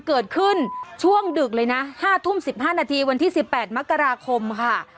เกิดขึ้นช่วงดึกเลยนะ๕ทุ่ม๑๕นาทีวันที่๑๘มกราคมค่ะ